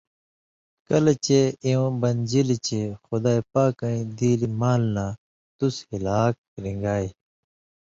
کلہۡ چے اِوَیں بنژِلیۡ چے خدائ پاکَیں دیلیۡ مال نہ تُس (ہِلاک) رِن٘گائ؛